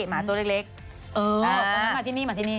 หมาตัวเล็กเล็กเออมาที่นี่มาที่นี่